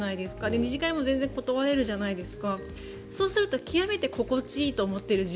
２次会も断れるじゃないですか。